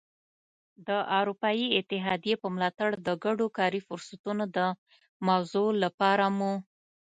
د اروپايي اتحادیې په ملاتړ د ګډو کاري فرصتونو د موضوع لپاره مو.